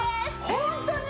ホントに！？